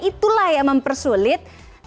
itulah yang mempersulit